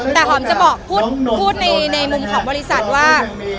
แต่หอมจะบอกพูดในมุมของบริษัทว่า